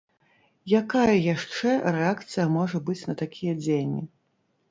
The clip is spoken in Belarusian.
Якая яшчэ рэакцыя можа быць на такія дзеянні?